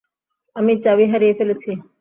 আমি চাবি হারিয়ে ফেলেছি।